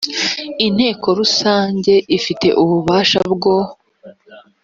inteko rusange ifite ububasha bwo